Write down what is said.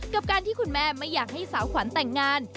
กับการที่คุณแม่ไม่อยากให้สาวขวัญแต่งงาน